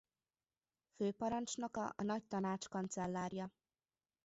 Főparancsnoka a Nagy Tanács Kancellárja.